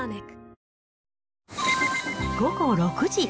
午後６時。